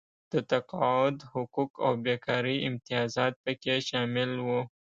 د تقاعد حقوق او بېکارۍ امتیازات پکې شامل وو.